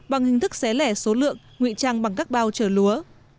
bằng hình thức xé lẻ số lượng nguy trang bằng các bao trở lúa